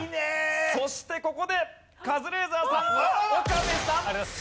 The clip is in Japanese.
そしてここでカズレーザーさん岡部さん終了です。